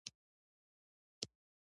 ابن سینا بلخي له دغو شخصیتونو څخه یو دی.